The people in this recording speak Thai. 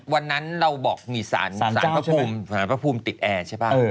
วันนั้นเราบอกมีศาลขาปภูมิศาลขาปภูมิติดแอร์ใช่ปะ